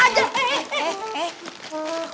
jangan enak aja